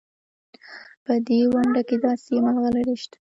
په دې ونډه کې داسې ملغلرې شته.